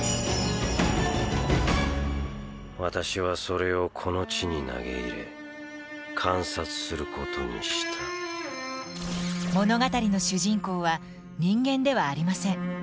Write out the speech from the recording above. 私はそれをこの地に投げ入れ観察することにした物語の主人公は人間ではありません。